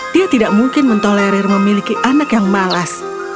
dia tidak mungkin mentolerir memiliki anak yang malas